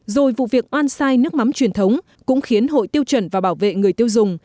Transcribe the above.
rồi vụ việc oan sai nước mắm truyền thống cũng khiến hội tiêu chuẩn và bảo vệ người tiêu dùng